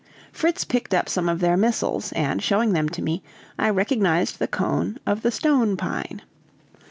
Fritz picked up some of their missiles, and, showing them to me, I recognized the cone of the stone pine.